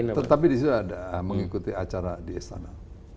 tetapi di situ ada mengikuti acara di istana